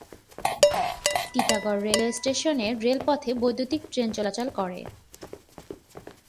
Titagarh railway স্টেশনের রেলপথে বৈদ্যুতীক ট্রেন চলাচল করে।